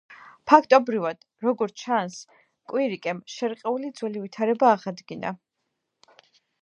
ფაქტობრივად, როგორც ჩანს, კვირიკემ შერყეული ძველი ვითარება აღადგინა.